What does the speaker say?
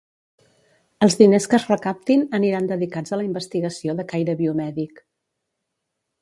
Els diners que es recaptin aniran dedicats a la investigació de caire biomèdic.